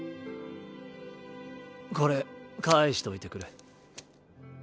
これ返しといてくれ。